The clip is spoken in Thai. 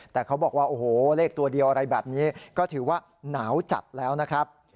แต่เขาบอกว่าโอ้โหเลขตัวเดียวอะไรแบบนี้ก็ถือว่าหนาวจัดแล้วนะครับ